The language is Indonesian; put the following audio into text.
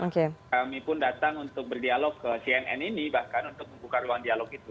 kami pun datang untuk berdialog ke cnn ini bahkan untuk membuka ruang dialog itu